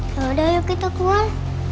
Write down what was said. yaudah yuk kita keluar